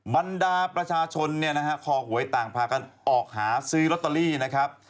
บรรดาประชาชนขอหวยต่างพากันออกหาซื้อล็อตเตอรี่นะครับ